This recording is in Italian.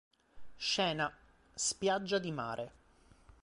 Scena: "Spiaggia di mare.